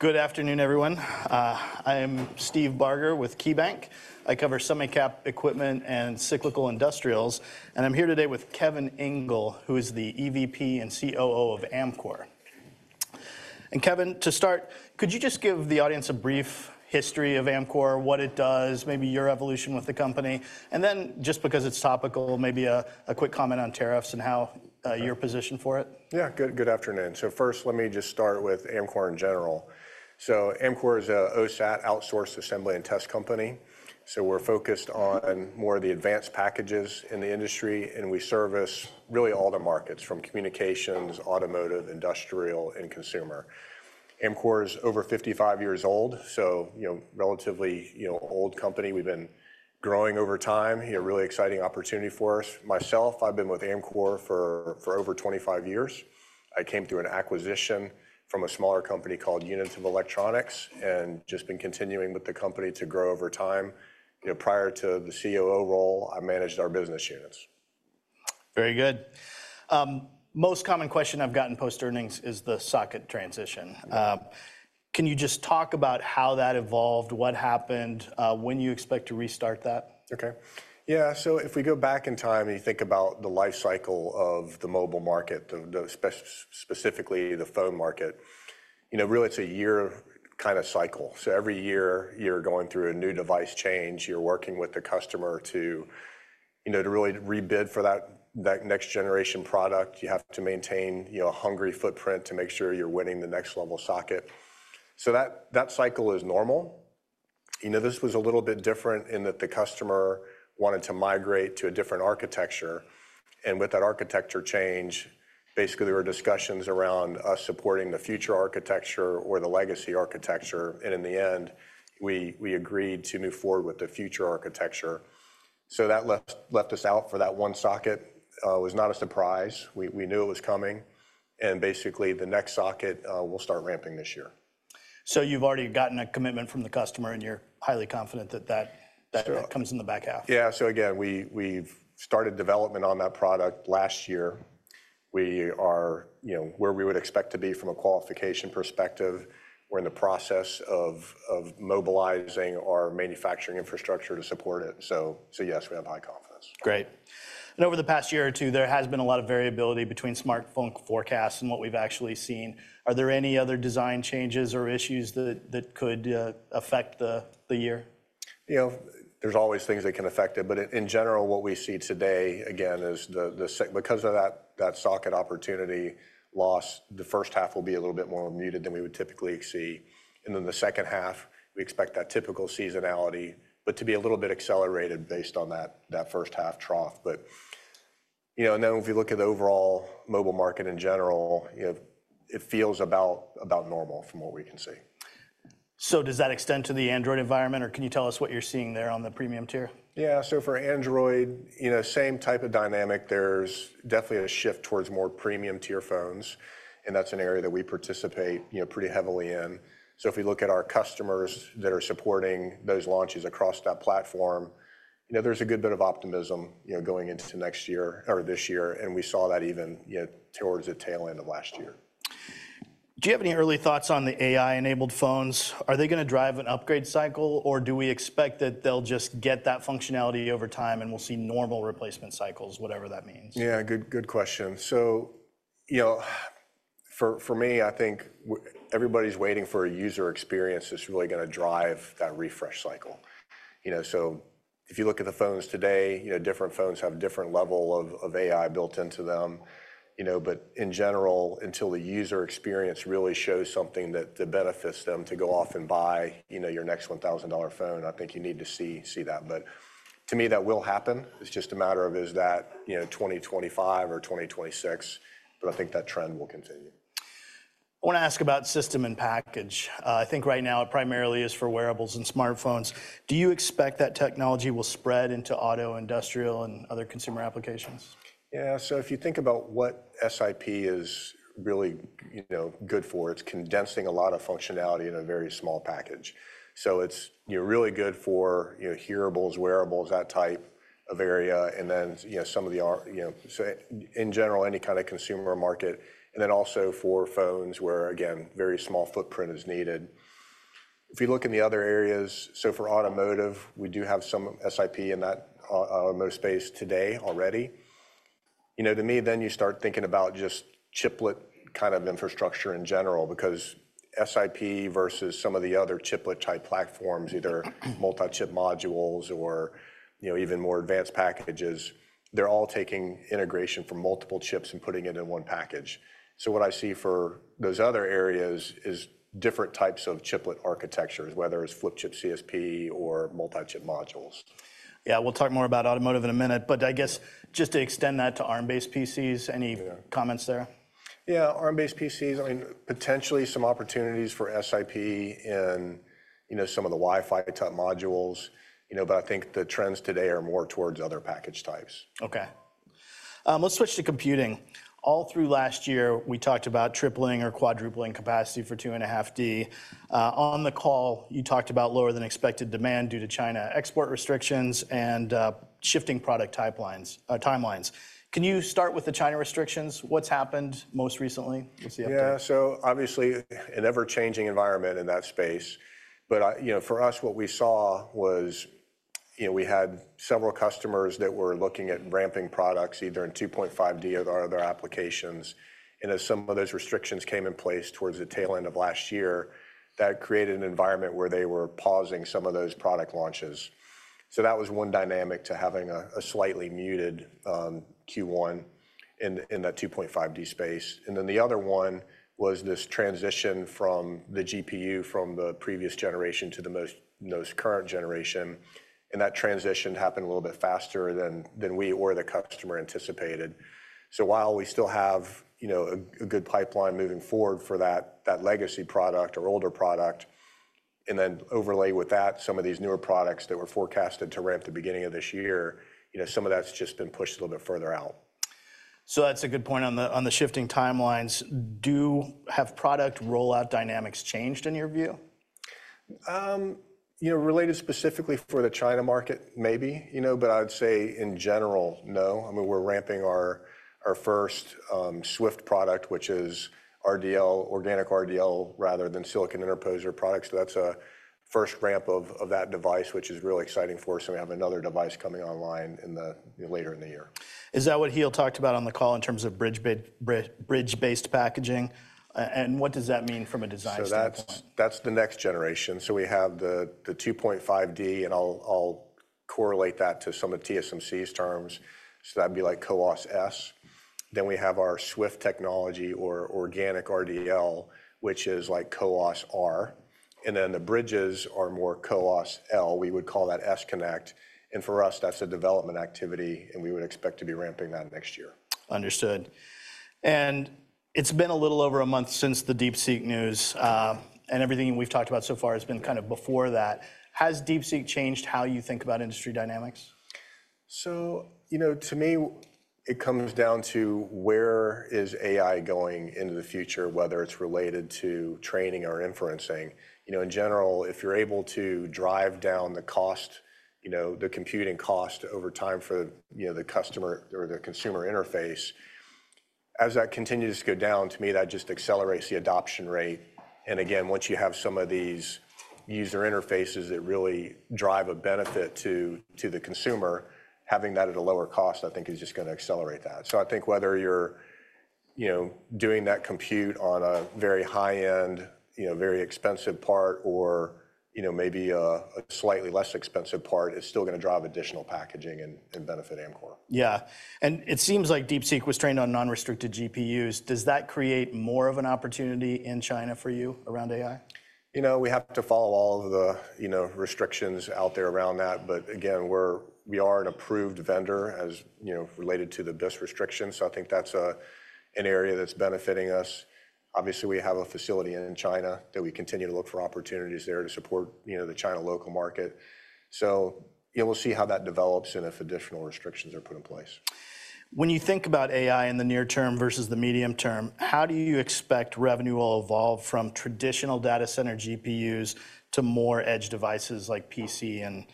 Good afternoon, everyone. I am Steve Barger with KeyBanc. I cover semicap equipment and cyclical industrials, and I'm here today with Kevin Engel, who is the EVP and COO of Amkor, and Kevin, to start, could you just give the audience a brief history of Amkor, what it does, maybe your evolution with the company, and then, just because it's topical, maybe a quick comment on tariffs and how you're positioned for it? Yeah, good afternoon. First, let me just start with Amkor in general. Amkor is an OSAT outsourced assembly and test company. We're focused on more of the advanced packages in the industry. We service really all the markets, from communications, automotive, industrial, and consumer. Amkor is over 55 years old, so a relatively old company. We've been growing over time. A really exciting opportunity for us. Myself, I've been with Amkor for over 25 years. I came through an acquisition from a smaller company called Unitive Electronics and just been continuing with the company to grow over time. Prior to the COO role, I managed our business units. Very good. Most common question I've gotten post-earnings is the socket transition. Can you just talk about how that evolved, what happened, when you expect to restart that? OK. Yeah, so if we go back in time and you think about the life cycle of the mobile market, specifically the phone market, really, it's a year kind of cycle, so every year, you're going through a new device change. You're working with the customer to really rebid for that next-generation product. You have to maintain a hungry footprint to make sure you're winning the next-level socket, so that cycle is normal. This was a little bit different in that the customer wanted to migrate to a different architecture, and with that architecture change, basically, there were discussions around us supporting the future architecture or the legacy architecture, and in the end, we agreed to move forward with the future architecture, so that left us out for that one socket. It was not a surprise. We knew it was coming. Basically, the next socket we'll start ramping this year. So you've already gotten a commitment from the customer, and you're highly confident that that comes in the back half. Yeah, so again, we've started development on that product last year. We are where we would expect to be from a qualification perspective. We're in the process of mobilizing our manufacturing infrastructure to support it. So yes, we have high confidence. Great. And over the past year or two, there has been a lot of variability between smartphone forecasts and what we've actually seen. Are there any other design changes or issues that could affect the year? There's always things that can affect it, but in general, what we see today, again, is because of that socket opportunity loss, the first half will be a little bit more muted than we would typically see, and then the second half, we expect that typical seasonality, but to be a little bit accelerated based on that first half trough, and then if you look at the overall mobile market in general, it feels about normal from what we can see. So does that extend to the Android environment, or can you tell us what you're seeing there on the premium tier? Yeah, so for Android, same type of dynamic. There's definitely a shift towards more premium-tier phones. And that's an area that we participate pretty heavily in. So if you look at our customers that are supporting those launches across that platform, there's a good bit of optimism going into next year or this year. And we saw that even towards the tail end of last year. Do you have any early thoughts on the AI-enabled phones? Are they going to drive an upgrade cycle, or do we expect that they'll just get that functionality over time and we'll see normal replacement cycles, whatever that means? Yeah, good question. So for me, I think everybody's waiting for a user experience that's really going to drive that refresh cycle. So if you look at the phones today, different phones have a different level of AI built into them. But in general, until the user experience really shows something that benefits them to go off and buy your next $1,000 phone, I think you need to see that. But to me, that will happen. It's just a matter of is that 2025 or 2026. But I think that trend will continue. I want to ask about system-in-package. I think right now it primarily is for wearables and smartphones. Do you expect that technology will spread into auto, industrial, and other consumer applications? Yeah, so if you think about what SiP is really good for, it's condensing a lot of functionality in a very small package. So it's really good for hearables, wearables, that type of area, and then some of the, in general, any kind of consumer market, and then also for phones where, again, very small footprint is needed. If you look in the other areas, so for automotive, we do have some SiP in that automotive space today already. To me, then you start thinking about just chiplet kind of infrastructure in general, because SiP versus some of the other chiplet-type platforms, either multi-chip modules or even more advanced packages, they're all taking integration from multiple chips and putting it in one package. So what I see for those other areas is different types of chiplet architectures, whether it's flip-chip CSP or multi-chip modules. Yeah, we'll talk more about automotive in a minute, but I guess just to extend that to Arm-based PCs, any comments there? Yeah, Arm-based PCs, I mean, potentially some opportunities for SiP in some of the Wi-Fi-type modules. But I think the trends today are more towards other package types. OK. Let's switch to computing. All through last year, we talked about tripling or quadrupling capacity for 2.5D. On the call, you talked about lower-than-expected demand due to China export restrictions and shifting product timelines. Can you start with the China restrictions? What's happened most recently? Yeah, so obviously an ever-changing environment in that space, but for us, what we saw was we had several customers that were looking at ramping products either in 2.5D or other applications, and as some of those restrictions came in place towards the tail end of last year, that created an environment where they were pausing some of those product launches, so that was one dynamic to having a slightly muted Q1 in that 2.5D space, and then the other one was this transition from the GPU from the previous generation to the most current generation, and that transition happened a little bit faster than we or the customer anticipated. While we still have a good pipeline moving forward for that legacy product or older product, and then overlay with that some of these newer products that were forecasted to ramp the beginning of this year, some of that's just been pushed a little bit further out. So that's a good point on the shifting timelines. Have product rollout dynamics changed in your view? Related specifically for the China market, maybe. But I would say in general, no. I mean, we're ramping our first SWIFT product, which is organic RDL rather than silicon interposer products. That's a first ramp of that device, which is really exciting for us. And we have another device coming online later in the year. Is that what Giel talked about on the call in terms of bridge-based packaging? And what does that mean from a design standpoint? That's the next generation. We have the 2.5D, and I'll correlate that to some of TSMC's terms. That would be like CoWoS-S. Then we have our SWIFT technology or organic RDL, which is like CoWoS-R. Then the bridges are more CoWoS-L. We would call that S-Connect. For us, that's a development activity. We would expect to be ramping that next year. Understood. It's been a little over a month since the DeepSeek news. Everything we've talked about so far has been kind of before that. Has DeepSeek changed how you think about industry dynamics? So to me, it comes down to where is AI going into the future, whether it's related to training or inferencing. In general, if you're able to drive down the cost, the computing cost over time for the customer or the consumer interface, as that continues to go down, to me, that just accelerates the adoption rate. And again, once you have some of these user interfaces that really drive a benefit to the consumer, having that at a lower cost, I think, is just going to accelerate that. So I think whether you're doing that compute on a very high-end, very expensive part or maybe a slightly less expensive part is still going to drive additional packaging and benefit Amkor. Yeah, and it seems like DeepSeek was trained on non-restricted GPUs. Does that create more of an opportunity in China for you around AI? We have to follow all of the restrictions out there around that. But again, we are an approved vendor related to the BIS restrictions. So I think that's an area that's benefiting us. Obviously, we have a facility in China that we continue to look for opportunities there to support the China local market. So we'll see how that develops and if additional restrictions are put in place. When you think about AI in the near term versus the medium term, how do you expect revenue will evolve from traditional data center GPUs to more edge devices like PC and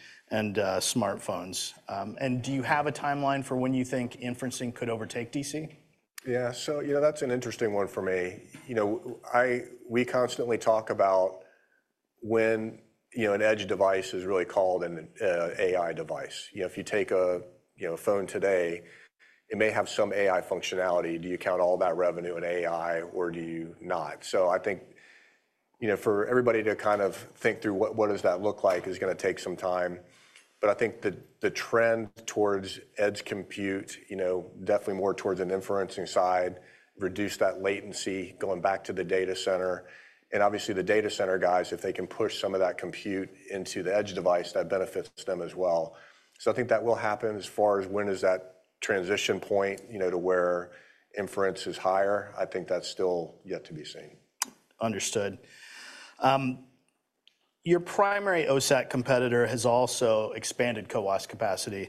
smartphones? And do you have a timeline for when you think inferencing could overtake DC? Yeah, so that's an interesting one for me. We constantly talk about when an edge device is really called an AI device. If you take a phone today, it may have some AI functionality. Do you count all that revenue in AI, or do you not? So I think for everybody to kind of think through what does that look like is going to take some time. But I think the trend towards edge compute, definitely more towards an inferencing side, reduce that latency going back to the data center. And obviously, the data center guys, if they can push some of that compute into the edge device, that benefits them as well. So I think that will happen. As far as when is that transition point to where inference is higher, I think that's still yet to be seen. Understood. Your primary OSAT competitor has also expanded CoWoS capacity.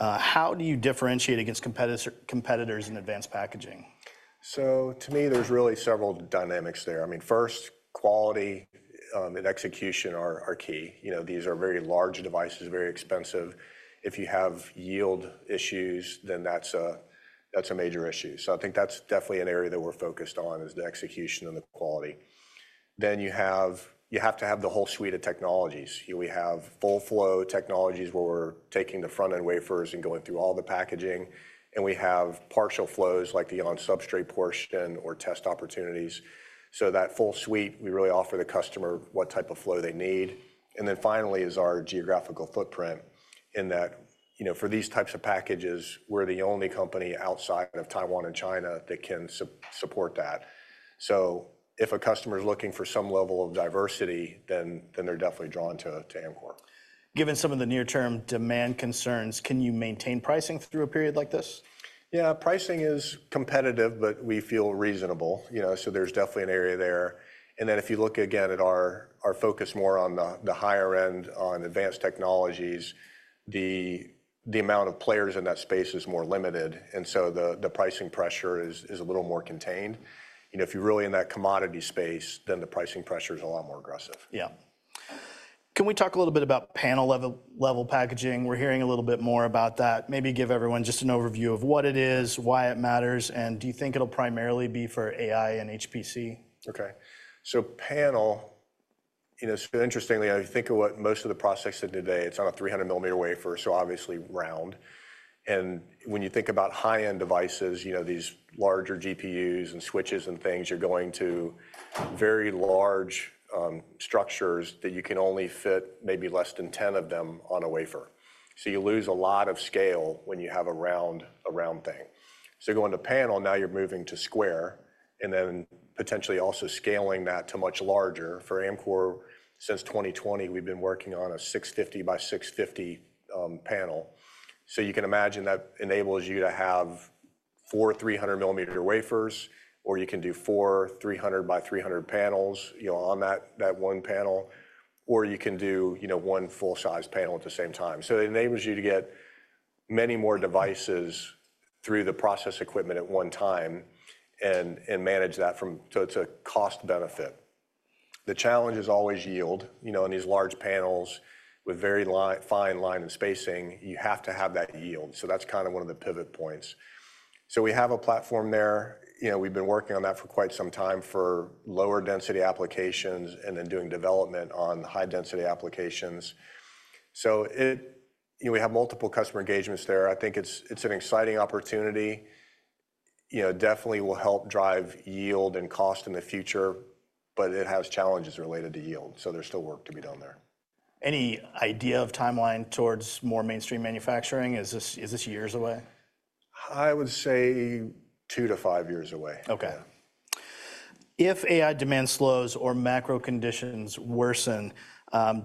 How do you differentiate against competitors in advanced packaging? So to me, there's really several dynamics there. I mean, first, quality and execution are key. These are very large devices, very expensive. If you have yield issues, then that's a major issue. So I think that's definitely an area that we're focused on is the execution and the quality. Then you have to have the whole suite of technologies. We have full-flow technologies where we're taking the front-end wafers and going through all the packaging. And we have partial flows like the on-substrate portion or test opportunities. So that full suite, we really offer the customer what type of flow they need. And then finally is our geographical footprint in that for these types of packages, we're the only company outside of Taiwan and China that can support that. So if a customer is looking for some level of diversity, then they're definitely drawn to Amkor. Given some of the near-term demand concerns, can you maintain pricing through a period like this? Yeah, pricing is competitive, but we feel reasonable, so there's definitely an area there, and then if you look again at our focus more on the higher end on advanced technologies, the amount of players in that space is more limited, and so the pricing pressure is a little more contained. If you're really in that commodity space, then the pricing pressure is a lot more aggressive. Yeah. Can we talk a little bit about panel-level packaging? We're hearing a little bit more about that. Maybe give everyone just an overview of what it is, why it matters, and do you think it'll primarily be for AI and HPC? Okay, so panel, interestingly, I think of what most of the processes today, it's on a 300-mm wafer, so obviously round, and when you think about high-end devices, these larger GPUs and switches and things, you're going to very large structures that you can only fit maybe less than 10 of them on a wafer, so you lose a lot of scale when you have a round thing, so going to panel, now you're moving to square and then potentially also scaling that to much larger. For Amkor, since 2020, we've been working on a 650 by 650 panel, so you can imagine that enables you to have four 300-mm wafers, or you can do four 300 by 300 panels on that one panel, or you can do one full-size panel at the same time. So it enables you to get many more devices through the process equipment at one time and manage that, so it's a cost benefit. The challenge is always yield. On these large panels with very fine line of spacing, you have to have that yield. So that's kind of one of the pivot points. So we have a platform there. We've been working on that for quite some time for lower density applications and then doing development on high-density applications. So we have multiple customer engagements there. I think it's an exciting opportunity. Definitely will help drive yield and cost in the future, but it has challenges related to yield. So there's still work to be done there. Any idea of timeline towards more mainstream manufacturing? Is this years away? I would say two to five years away. Okay. If AI demand slows or macro conditions worsen,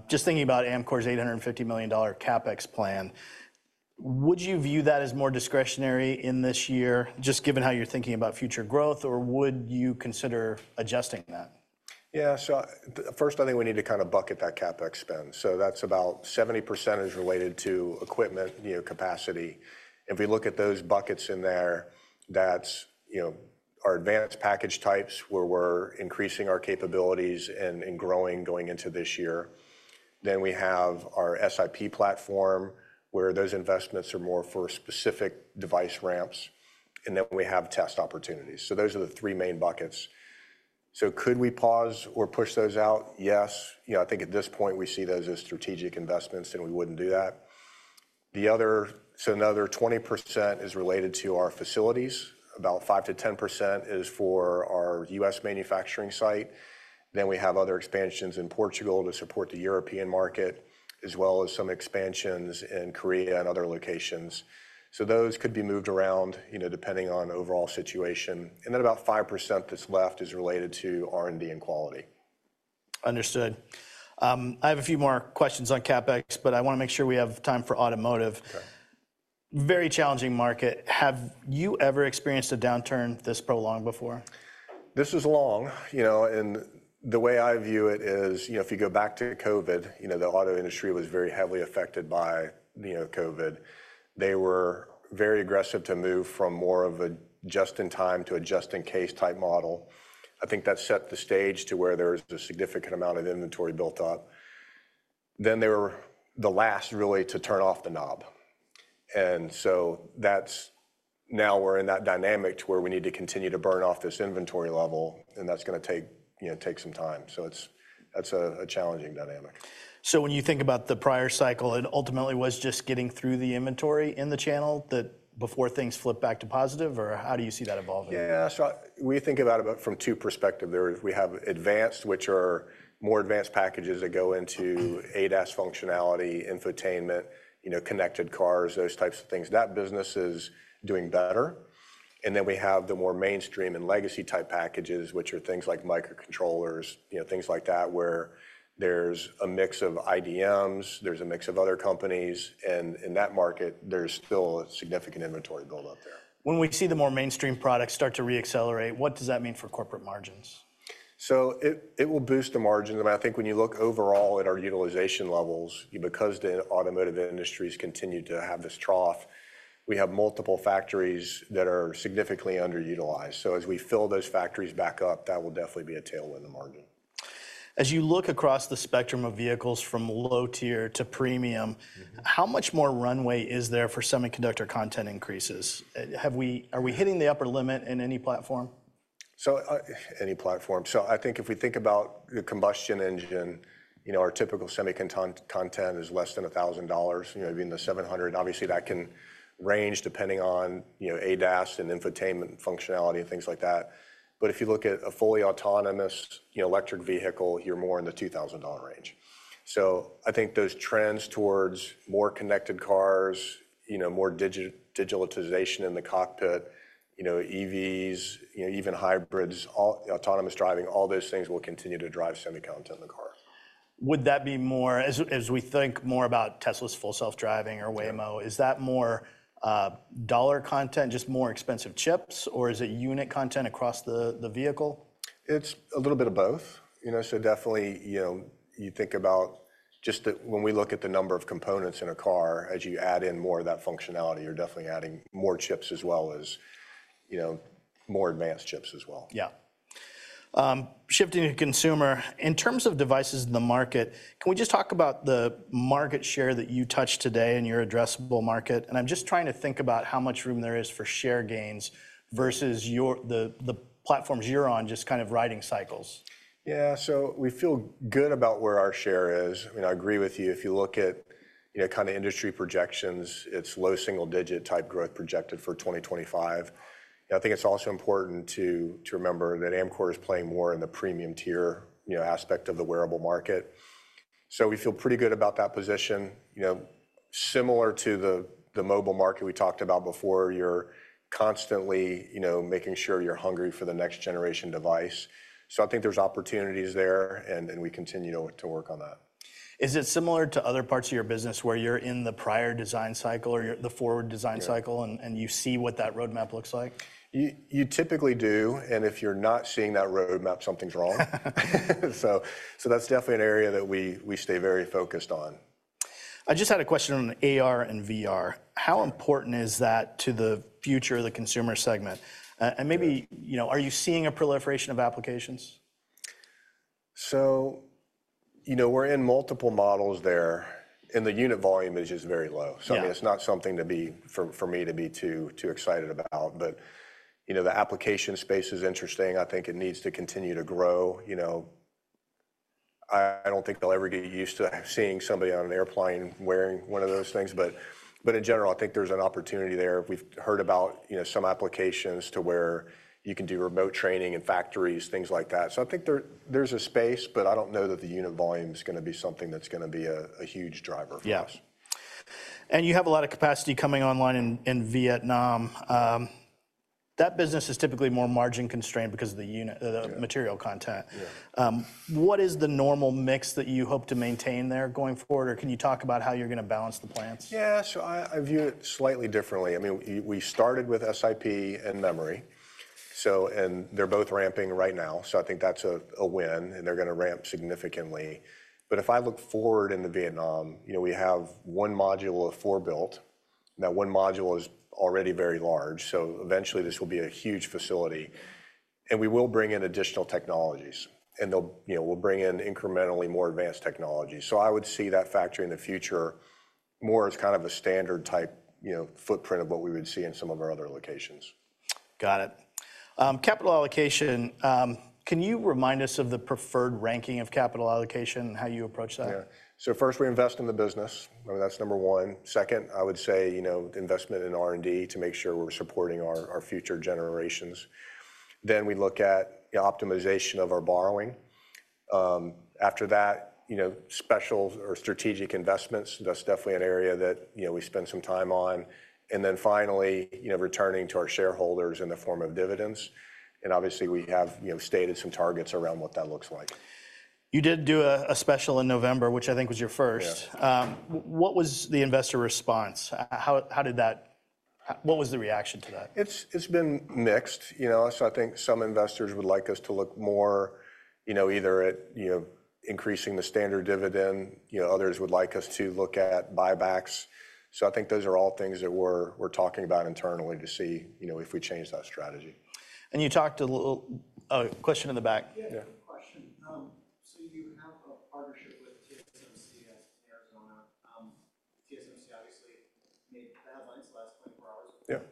just thinking about Amkor's $850 million CapEx plan, would you view that as more discretionary in this year, just given how you're thinking about future growth, or would you consider adjusting that? Yeah, so first, I think we need to kind of bucket that CapEx spend, so that's about 70% is related to equipment capacity. If we look at those buckets in there, that's our advanced package types where we're increasing our capabilities and growing going into this year. Then we have our SiP platform where those investments are more for specific device ramps. And then we have test opportunities. So those are the three main buckets. So could we pause or push those out? Yes. I think at this point, we see those as strategic investments, and we wouldn't do that, so another 20% is related to our facilities. About 5%-10% is for our U.S. manufacturing site. Then we have other expansions in Portugal to support the European market, as well as some expansions in Korea and other locations, so those could be moved around depending on overall situation. And then about 5% that's left is related to R&D and quality. Understood. I have a few more questions on CapEx, but I want to make sure we have time for automotive. Very challenging market. Have you ever experienced a downturn this prolonged before? This was long, and the way I view it is if you go back to COVID, the auto industry was very heavily affected by COVID. They were very aggressive to move from more of a just-in-time to a just-in-case type model. I think that set the stage to where there was a significant amount of inventory built up, then they were the last really to turn off the knob, and so now we're in that dynamic to where we need to continue to burn off this inventory level, and that's going to take some time, so that's a challenging dynamic. So when you think about the prior cycle, it ultimately was just getting through the inventory in the channel before things flip back to positive? Or how do you see that evolving? Yeah, so we think about it from two perspectives. We have advanced, which are more advanced packages that go into ADAS functionality, infotainment, connected cars, those types of things. That business is doing better. And then we have the more mainstream and legacy type packages, which are things like microcontrollers, things like that, where there's a mix of IDMs. There's a mix of other companies. And in that market, there's still a significant inventory buildup there. When we see the more mainstream products start to reaccelerate, what does that mean for corporate margins? So it will boost the margins. And I think when you look overall at our utilization levels, because the automotive industry has continued to have this trough, we have multiple factories that are significantly underutilized. So as we fill those factories back up, that will definitely be a tailwind in the margin. As you look across the spectrum of vehicles from low tier to premium, how much more runway is there for semiconductor content increases? Are we hitting the upper limit in any platform? So, any platform. So, I think if we think about the combustion engine, our typical semiconductor content is less than $1,000, maybe in the $700. Obviously, that can range depending on ADAS and infotainment functionality and things like that. But if you look at a fully autonomous electric vehicle, you're more in the $2,000 range. So, I think those trends towards more connected cars, more digitalization in the cockpit, EVs, even hybrids, autonomous driving, all those things will continue to drive semiconductor in the car. Would that be more as we think more about Tesla's full self-driving or Waymo, is that more dollar content, just more expensive chips, or is it unit content across the vehicle? It's a little bit of both. So definitely, you think about just that when we look at the number of components in a car, as you add in more of that functionality, you're definitely adding more chips as well as more advanced chips as well. Yeah. Shifting to consumer, in terms of devices in the market, can we just talk about the market share that you touched today in your addressable market? And I'm just trying to think about how much room there is for share gains versus the platforms you're on, just kind of riding cycles. Yeah, so we feel good about where our share is. I agree with you. If you look at kind of industry projections, it's low single-digit type growth projected for 2025. I think it's also important to remember that Amkor is playing more in the premium tier aspect of the wearable market. So we feel pretty good about that position. Similar to the mobile market we talked about before, you're constantly making sure you're hungry for the next generation device. So I think there's opportunities there, and we continue to work on that. Is it similar to other parts of your business where you're in the prior design cycle or the forward design cycle and you see what that roadmap looks like? You typically do, and if you're not seeing that roadmap, something's wrong, so that's definitely an area that we stay very focused on. I just had a question on AR and VR. How important is that to the future of the consumer segment, and maybe, are you seeing a proliferation of applications? So we're in multiple models there. And the unit volume is just very low. So I mean, it's not something for me to be too excited about. But the application space is interesting. I think it needs to continue to grow. I don't think they'll ever get used to seeing somebody on an airplane wearing one of those things. But in general, I think there's an opportunity there. We've heard about some applications to where you can do remote training in factories, things like that. So I think there's a space, but I don't know that the unit volume is going to be something that's going to be a huge driver for us. Yeah. And you have a lot of capacity coming online in Vietnam. That business is typically more margin constrained because of the material content. What is the normal mix that you hope to maintain there going forward? Or can you talk about how you're going to balance the plants? Yeah, so I view it slightly differently. I mean, we started with SiP and memory. And they're both ramping right now. So I think that's a win, and they're going to ramp significantly. But if I look forward in Vietnam, we have one module of four built. That one module is already very large. So eventually, this will be a huge facility. And we will bring in additional technologies. And we'll bring in incrementally more advanced technologies. So I would see that factory in the future more as kind of a standard type footprint of what we would see in some of our other locations. Got it. Capital allocation, can you remind us of the preferred ranking of capital allocation and how you approach that? Yeah, so first, we invest in the business. I mean, that's number one. Second, I would say investment in R&D to make sure we're supporting our future generations, then we look at optimization of our borrowing. After that, special or strategic investments. That's definitely an area that we spend some time on, and then finally, returning to our shareholders in the form of dividends, and obviously, we have stated some targets around what that looks like. You did do a special in November, which I think was your first. What was the investor response? What was the reaction to that? It's been mixed, so I think some investors would like us to look more either at increasing the standard dividend. Others would like us to look at buybacks, so I think those are all things that we're talking about internally to see if we change that strategy. You talked a little question in the back. Yeah. Question. So you have a partnership with TSMC in Arizona. TSMC obviously made headlines the last 24 hours. Partner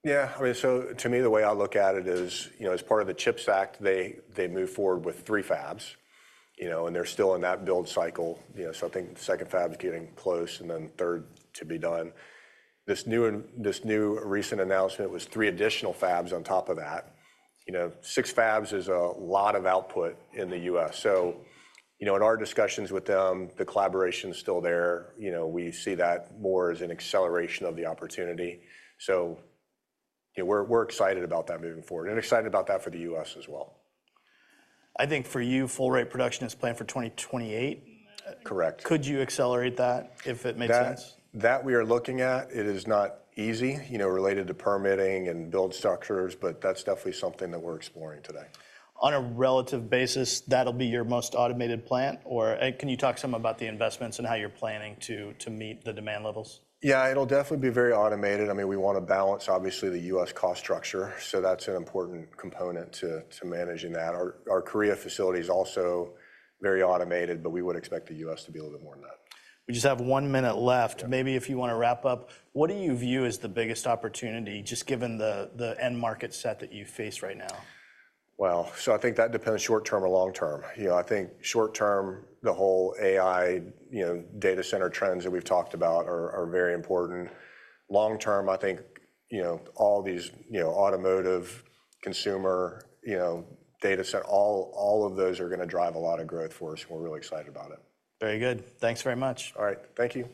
investment in the U.S. Do you see that partnership growing, or is that kind of a one-off, highly specific customer that it is what it is, and you need to expand to 2022 to enhance the partnership? Yeah. I mean, so to me, the way I look at it is as part of the CHIPS Act, they move forward with three fabs and they're still in that build cycle. So I think the second fab is getting close and then third to be done. This new recent announcement was three additional fabs on top of that. Six fabs is a lot of output in the U.S. So in our discussions with them, the collaboration is still there. We see that more as an acceleration of the opportunity. So we're excited about that moving forward and excited about that for the U.S. as well. I think for you, full rate production is planned for 2028. Correct. Could you accelerate that, if it makes sense? That we are looking at, it is not easy related to permitting and build structures, but that's definitely something that we're exploring today. On a relative basis, that'll be your most automated plant? Or can you talk some about the investments and how you're planning to meet the demand levels? Yeah, it'll definitely be very automated. I mean, we want to balance, obviously, the U.S. cost structure. So that's an important component to managing that. Our Korea facility is also very automated, but we would expect the U.S. to be a little bit more than that. We just have one minute left. Maybe if you want to wrap up, what do you view as the biggest opportunity, just given the end market set that you face right now? I think that depends short term or long term. I think short term, the whole AI data center trends that we've talked about are very important. Long term, I think all these automotive, consumer, data center, all of those are going to drive a lot of growth for us, and we're really excited about it. Very good. Thanks very much. All right. Thank you.